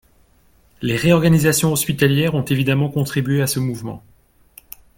Les réorganisations hospitalières ont évidemment contribué à ce mouvement.